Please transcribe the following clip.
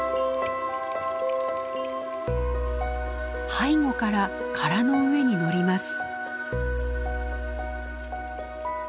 背後から殻の上に乗ります。